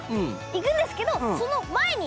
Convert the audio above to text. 行くんですけどその前に！